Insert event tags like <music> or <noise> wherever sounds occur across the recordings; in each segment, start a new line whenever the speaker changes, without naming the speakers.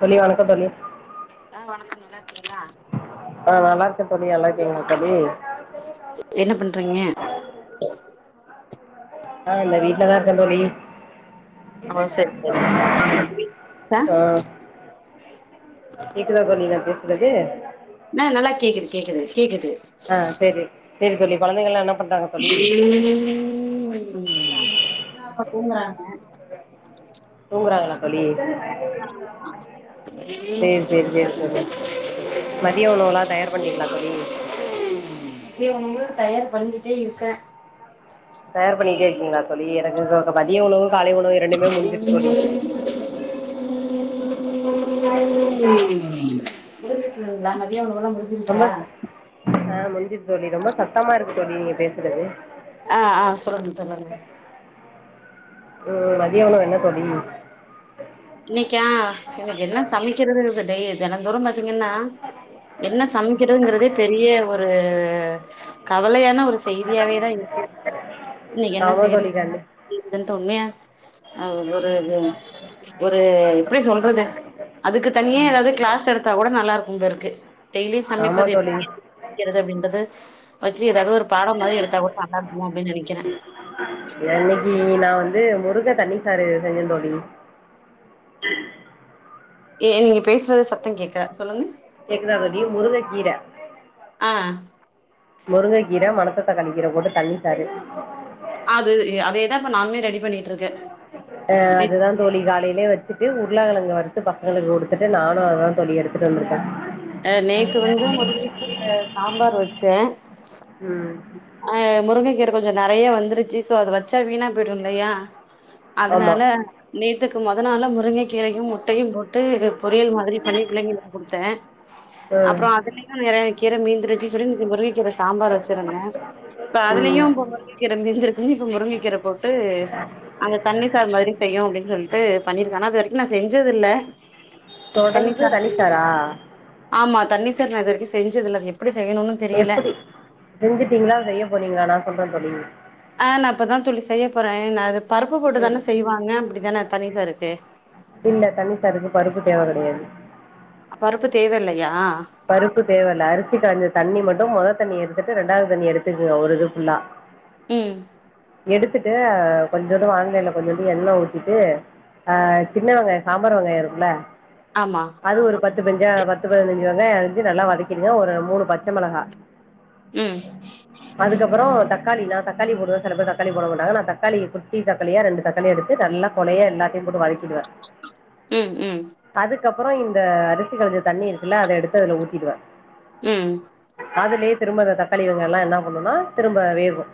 தோழி வணக்கம் தோழி
ஆ வணக்கம் நல்லாருக்கீங்களா
ஆ நல்லா இருக்கே தோழி நல்லா இருக்கீங்களா தோழி
என்ன பண்றீங்க
ஆ இந்த வீட் ல தா இருக்கே தோழி
ஓ சரி சரி ச
ஆ கேக்குதா தோழி நா பேசுறது
ஆ நல்லா கேக்குது கேக்குது கேக்குது
செரி தோழி கொழந்தைங்கல்லா என்ன பண்றாங்க தோழி
<inaudible> தூங்குறாங்க
தூங்கறாங்களா தோழி சரி சரி சரி தோழி மதிய உணவுலாம் தயார் பண்ணிட்டீங்களா தோழி
மதிய உணவு தயார் பண்ணிட்டே இருக்க
தயார் பண்ணிட்டே இருக்கீங்களா தோழி எனக்கு க மதிய உணவு காலை உணவு இரண்டுமே முடிஞ்சிட்டு தோழி
முடிஞ்சிருச்ங்களா மதியஉனவெல்லா
ரொம்ப ச ஆ முடிஞ்சி தோழி ரொம்ப சத்தமா இருக்கு தோழி நீங்க பேசுறது
ஆ ஆ சொல்லங்க சொல்லுங்க
ம் மதியஉணவு என்ன தோழி
இன்னைக்கா எனக்கு என்ன சமைக்கிறது டெ தெனந்தோறும் வந் திங்கன்னா என்ன சமைக்கிறதுங்கறதே பெரிய ஒரு கவலையான ஒரு செய்தியாவே தா இருக்கு இன்னைக்கு என்ன
ஆமா தோழி கண்டு
செய்யறதுன்ட்டு உண்மையா அது ஒர்க் ன்றது ஒரு எப்டி சொல்றது அதுக்கு <inaudible> தனியா ஏதாவ்து கிளாஸ் எடுத்தா கூட நல்லா இருக்கோ <unintelligible> டெய்லியி
ஆமா
சமைப்பது
தோழி
எப்டி <inaudible> கிறது அப்டின்றது வச்சு ஏதாவ்து ஒரு பாடம் மாரி எடுத்தா கூட நல்லா இருக்குமோ அப்டின் நனைக்குறே
இன்னைக்கு நான் வந்து <unintelligible> தண்ணி சாரு செஞ்சே தோழி
ஏ எ நீங்க பேசுறத சத்தம் கேக்ல சொல்லுங்க
கேக்குதா தோழி முருங்க கீர
ஆ
முருங்க கீர மணத்தக்காளி போட்டு தண்ணித்தாரு
அது அதேதா இப்ப நானுமே ரெடி பண்ணிட்டு இருக்கே
ஆ அதுதா தோழி காலி அப்டியே வெச்சுட்டு உருளக்கேலங்க வருத்து பசங்கங்களுக்கு குடுத்துட்டு நானு அதுதா தோழி எடுத்துட்டு வந்திருக்கே
அ நேத்து வந்து ஒரு வீட்டுல சாம்பார் வெச்சு சென்
ம்
அ முருங்ககீர கொஞ்சோ நெறைய வந்துருச்சு சோ அத வெச்சா வீணா போயிடு இல்லயா அதனால
ஆமாம்
நேத் க்கு முதல் நாளா முருங்கக் கீரையு முட்டையு போட்டு பொரியல் மாதிரி பண்ணி பிள்ளைங்களுக்கு குடுத்தென்
ம்
அப்றோ அதுலயும் நெறய கீர மீந்துடுச்சி சொல்லி நேத்து முருங்க கீர சாம்பார் வெச்சிருந்த இப்ப அதுலயு
ம்
இப்ப முருங்கக்கீர மிஞ்சிருன்னு இப்ப முருங்க கீர போட்டு அந்த தண்ணி சார் மாரி செய்யு அப்டின் சொல்ட்டு பண்ணியிருந்த அது வரைக் நா செஞ்சது இல்ல
தொடர்ந்து தனிச்சாரா
ஆமா தண்ணிசார் நா இது வரைக்கு செஞ்சதுல்லா
எப்படி செஞ்சுடிங்களா செய்ய போறிங்களா நா சொல்ற தோழி
ஆ நா இப்பதா தோழி செய்ய போறே நா அது பருப்பு போட்டுதான செய்வாங்க அப்டிதான தண்ணி சாருக்கு
இல்ல தனிசாறுக்கு பருப்பு தேவ கெடையாது
பருப்பு தேவ இல்லயா
பருப்பு தேவ இல அரிசி காஞ்ச தண்ணி மட்டோ மொத தண்ணி எடுத்து ரெண்டாவது தண்ணி எடுத்துகுங்க ஒரு இது ஃபுல்லா
உம்
எடுத்துட்டு கொஞ்சோ வானிலைல கொஞ்சோட எண்ண ஊத்திட்டு ஆ சின்ன வெங்காயோ சாம்பார் வெங்காயோ இருக்குல
ஆமா
அது ஒரு பத்து பெஞ்சா பத்து பதினஞ்சு வெங்காயோ அறிஞ்சு நல்லா வதக்கிங்க ஒரு மூணு பச்ச மெளகா
உம்
தக்காளி நா தக்காளி போடுவ சில பேர் தக்காளி போட மாட்டாங்க நா தக்காளி குட்டி தக்காளியா ரெண்டு தக்காளிய எடுத்து நல்ல கொழையா எல்லாத்தையு போட்டு வதக்கிடுவ
உம் உம்
அது அப்பறோ இந்த அரிசி களஞ்ச தண்ணி இருக்கு இல்ல அத எடுத்து அதுல ஊத்திடுவ
உம்
அதுலே திரும்ப தக்காளி வெங்காய எல்லா என்ன பண்ணுனா திரும்ப வேகு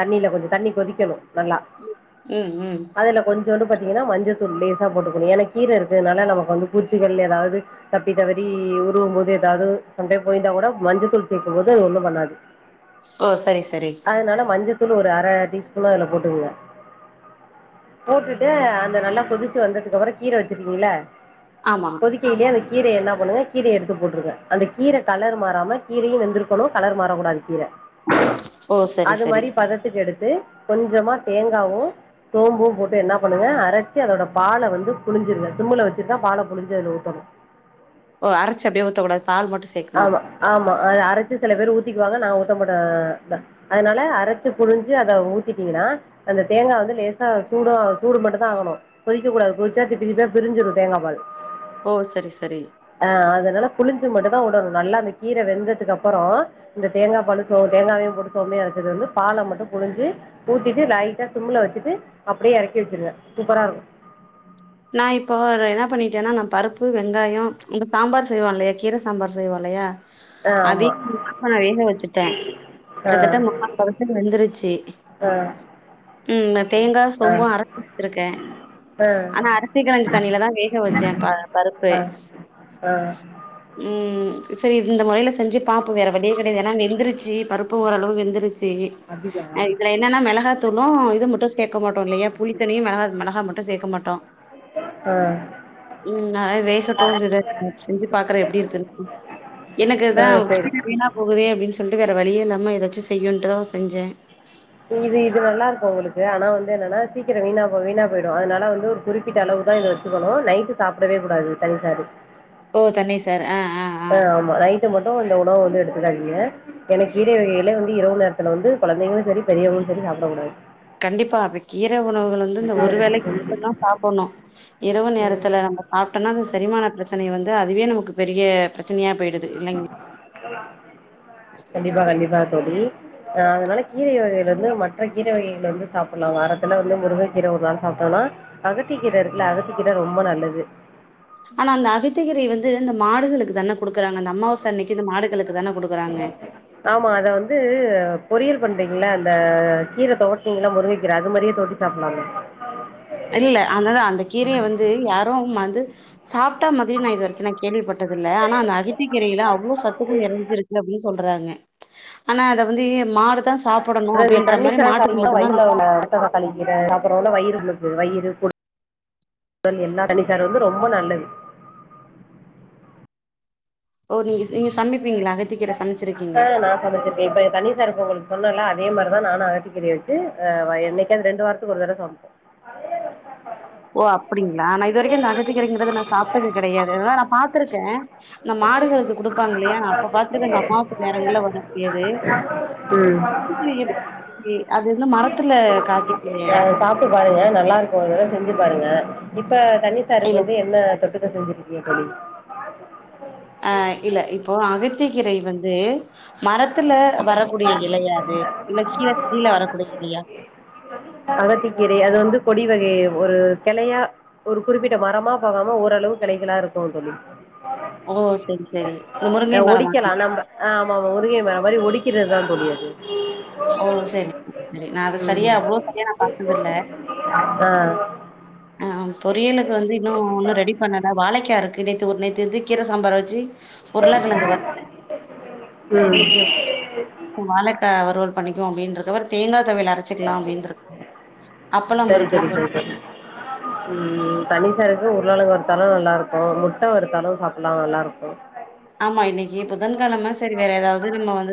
தண்ணியில கொஞ்சோ தண்ணி கொதிக்கணு நல்லா
ம் ம்
அதுல கொஞ்சோ இது வந்து பாத்தீங்கன்னா மஞ்சதூள் லேச போட்டுக்கணு ஏனா கீர இருக்குனால நமக்கு வந்து பூச்சிகள் எதாவ்து த ப்பி தவறி உருவு போது எதாது சம்டைம் போய்ருந்தா கூட மஞ்சள் தூள் சேக்கு போது அது ஒண்ணு பண்ணாது
ஓ சரி சரி
தூளு ஒரு அர டீஸ்பூன் அதுல போட்டுக்குங்க போட்டுட்டு அந்த நல்லா கொதிச்சு வந்ததுக்கு அப்றோ கீர வச்சிருக்கீங்கள
ஆமா
இப்போதிக்கி இதியே <unintelligible> கீரைய என்னா பண்ணுங்க கீரைய எடுத்து போட்ருங்க அந்த கீர கலரு மாறாம கீரையு வெந்திருக்குணு கலரு மாறக்கூடாது கீர
ஓ சரி சரி
து கொஞ்சமா தேங்காவு சோம்பு போட்டு என்னா பண்ணுங்க அரச்சி அதோட பால வந்து புழிஞ்சுருங்க சிம்முல வச்சிதா பால புழிஞ்சு அதுல ஊத்தணு
ஓ அரைச்சு அப்டியே ஊத்த கூடாது பால் மட்டு சேக்கணு
ச்சு செல பேரு ஊத்திக்குவாங்க நா ஊத்த மாட்ட ஆஹ் அதனால அரைச்சு புழிஞ்சு அத ஊத்திட்டீங்கன்னா அந்த தேங்கா வந்து லேசா சூடோ சூடு மட்டு தா ஆகணு கொதிக்க கூடாது கொதிச்சா திப்பி திப்பியா பிரிசிரு தேங்கா பால்
ஓ சரி ச
ஆஹ் அதனால புளிஞ்சு மட்டு உடணு நல்லா அந்த கீர வெந்ததுக்கு அப்பறோ இந்த தேங்கா பாலு தேங்காவையு போட்டு சோமையு அரச்சது வந்து பால மட்டு புழிஞ்சு ஊத்திட்டு லைட்டா சிம்ல வச்சுட்டு அப்டியே எறக்கி வச்சிருங்க சூப்பரா இருக்கும்
நா இப்போ <inaudible> என்னா பண்ணிட்டேன்னா நா பருப்பு வெங்காயோ உங்க சாம்பார் செய்வோ இல்லையா கீர சாம்பார் செய்வோ இல்லையா
ஆ ஆமா.
அதையு <inaudible> இப்ப நா வேக வச்சுட்ட
ஆ.
கிட்டதட்ட முக்காள் பதத்துக்கு வெந்துருச்சி
ஆ.
உம் தேங்கா
ஆ.
சோம்பு அரைச்சி வச்சிருக்க
ஆ. ஆ.
ஆனா அரிசி கழஞ்ச தண்ணியில தா வேக வச்ச ப பருப்பு
ஆ. ஆ.
உம் செரி இந்த முறையில செஞ்சு பாப்போ வேற வளியே கெடையாது எனா வெந்த்ருச்சி பருப்பு ஓரளவு வெந்திருச் <unintelligible>
அப்படியா?
இதுல என்னன்னா மெளகா தூளும் இது மட்டு சேக்க மாட்டோ இல்லையா புளித்தனியு மெளகா மெளகா மட்டு சேர்க்க மாட்டோ
ஆ
உம் நா வேகட்டும் <inaudible> செஞ்சி பாக்குற எப்டி இருக்கு
ஆ
எனக்குதா
சரி
கீர வீணா போகுதே அப்டின்னு சொல்ட்டு வேற வழியே இல்லாம எதாச்சு செய்யுன்ட்டுதா செஞ்ச
இது இது நல்லா இருக் உங்களுக்கு ஆனா வந்து என்னன்னா சீக்கிரோ வீணா வீணா போயிடு அதனால வந்து ஒரு குறிப்பிட்ட அளவு தா இத வச்சுக்கணு நைட்டு சாப்பிடவே கூடாது தனசரி
ஓ தனி சார் ஆ ஆ ஆ
ஆஹ் ஆமா நைட் மட்டு இந்த உணவு வந்து எடுத்துக்காதீங்க எனா கீர வகைகள் வந்து இரவு நேரத்துல வந்து கொழந்தைங்களு செரி பெரியவங்களு செரி சாப்பிட கூடாது
கண்டிப்பா அப்ப கீர உணவுகள் வந்து இந்த ஒரு வேளைக் மட்டு தா சாப்பட்ணு இரவு நேரத்துல நம்ம சாப்டோம்னா அதுசெரிமான பெரச்சனைய வந்து அதுவே நமக்கு பெரிய பிரச்சனையா போயிடு
கண்டிப்பா கண்டிப்பாக தோழி ஆஹ் அதனால கீரை வகைகள் வந்து மற்ற கீரை வகைகள் வந்து சாப்புட்லா வாரத்துல வந்து முருங்கக்கீர ஒரு நாள் சாப்புட்லா அகத்திக்கீர இருக்குல அகத்திக்கீர ரொம்ப நல்லது
ஆனா அந்த அகத்திகீரைய வந்து இந்த மாடுகளுக்கு தான கொடுக்குறாங்க அந்த அம்மாவாச அன்னைக்கு இந்த மாடுகளுக்
ஆமா அத வந்து பொரியல் பண்றிங்களா அந்த கீர தொவட்னிங்கல முருங்கக்கீர அது மாரியே தொவட்டி சாப்புட்லாமே
இல்ல அந்ததா அந்த கீரைய வந்து யார் ரூம் வந்து சாப்ட்டா மதி நா இது வரைக்கு நா கேள்விப்பட்டதில்ல ஆனா அந்த அகத்திகீரையில அவ்ளோ சத்துகள் நெரஞ்சிருக்கு அப்டீ சொல்றாங்க ஆனா அத வந்து மாடுதா
அதாங்க தண்ணி சாரு சாப்ட்டா வயித்ல உள்ள <unintelligible> அப்புறோ வயிறு <unintelligible> வயிறு குடல் எல்லா தண்ணிசாரு வந்து ரொம்ப நல்லது
ஓ நீங்க நீங்க சமைப்பீங்களா அகத்திக்கீர சமைச்சிருக்கீங்க
அ நா சமைச்சிருக்கே இப்ப தண்ணிசாருக் உங்ளுக்கு சொன்னல அதே மாரிதா நானு அகத்திகீரைய வச்சு அ என்னைக்காவது ரெண்டு வாரத்துக்கு ஒரு தடவ சமைப்போ
ஓ அப்புடிங்களா ஆன நா இது வரிக்கு இந்த அகத்திகீரங்கறது நா சாப்ட்டது கெடையாது நா பார்த்திருக்கே இந் மாடுகளுக்கு குடுப்பாங் இல்லையா அப்ப பாத்திருக்கே இந்த அம்மா
ம்
அது வந்து மரத்துல காய்க்கக்கூடியயா
சாப்ட்டு பாருங்க நல்லாருக்கு ஒரு தடவ செஞ்சு பாருங்க இப்ப தண்ணிசாருக்கு
இல்ல
வந்து என்ன <unintelligible> செஞ்சிருக்க தோழி
அ இல்ல இப்போ அகத்திகீரை வந்து மரத்துல வரக்கூடிய இலையா அது இல்ல கீழ செடியில வரக்கூடிய இலையா
ட் ஒரு கெளையா ஒரு குறிப்பிட்ட மரமா போகாம ஓரளவு கெளைகளா இருக்குன் தோழி
ஓ செரி செரி இந்த முருங்கை
அ
மரமா
ஒடிக்கலா நம்ப ஆ ஆமா உருகி அந்த மாரி ஒடிக்கிறத் தா தோழி அது
ஓ செரி ன <unintelligible> நா அத
ம்
செரியா அவ்ளோ செரியா நா பாத்ததுல்ல
ஆ
அ அ பொறியலுக்கு வந்து இன்னு ஒன்னு ரெடி பண்ணல வாழைக்காருக்கு நேத்து ஒர் நேத் து கீர சம்பார் வெச்சு உருளக்கெழங்கு வருத்த
ம்
இன்னைக்கி வாழ வாழைக்கா வருவல் பண்ணிக்கு அப்டின்ற <unintelligible> தேங்கா துவையல் அரச்சுக்லா அப்டினுரு <unintelligible> அப்பளம்
சரி
இருக்கு
தோழி சரி தோழி அப்பளோ வருத்தாலு நல்லாருக்கு முட்ட வருத்தாலு சாப்புல்லா நல்லாருக்கு
ஆமா இன்னைக்கி புதன்கெழமா செரி வேற எதாவ்து நம்ம வந்து